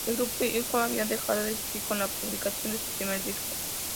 El grupo Itoiz había dejado de existir con la publicación de su primer disco.